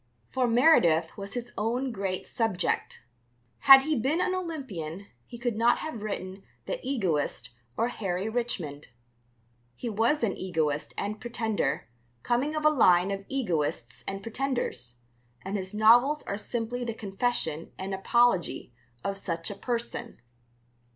For Meredith was his own great subject. Had he been an Olympian he could not have written The Egoist or Harry Richmond. He was an egoist and pretender, coming of a line of egoists and pretenders, and his novels are simply the confession and apology of such a person.